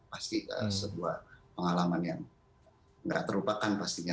pasti sebuah pengalaman yang tidak terlupakan pastinya